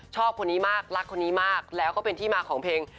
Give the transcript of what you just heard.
ชอบคนนี้มากรักคนนี้มากแล้วก็เป็นที่มาของเพลง